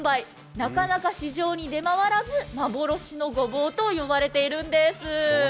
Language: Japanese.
なかなか市場に出回らず幻のごぼうと呼ばれているんです。